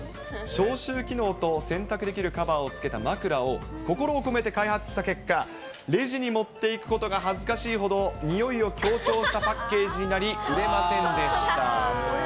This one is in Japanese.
消臭機能と洗濯できるカバーをつけた枕を心を込めて開発した結果、レジに持っていくことが恥ずかしいほど、臭いを強調したパッケージになり、売れませんでした。